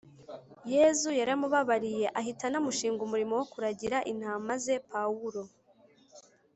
yezu yaramubabariye ahita anamushinga umurimo wo kuragira intama ze. paulo